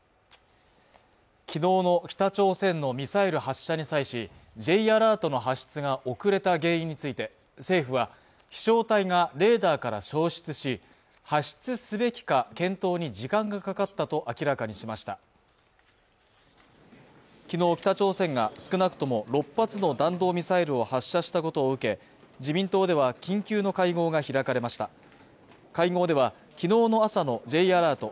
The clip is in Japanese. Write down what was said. きのうの北朝鮮のミサイル発射に際しＪアラートの発出が遅れた原因について政府は飛翔体がレーダーから消失し発出すべきか検討に時間がかかったと明らかにしました昨日北朝鮮が少なくとも六発の弾道ミサイルを発射したことを受け自民党では緊急の会合が開かれました会合ではきのうの朝のＪアラート